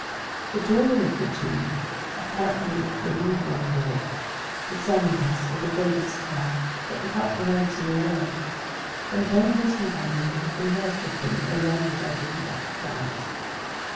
The taller of the two—apparently the leader on board—examined us with the greatest care but without pronouncing a word. Then, turning to his companion, he conversed with him in a language I didn't recognize.